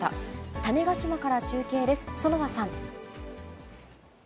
種子島から中継です、園田さん。